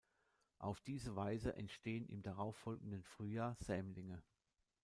Auf diese Weise entstehen im darauffolgenden Frühjahr Sämlinge.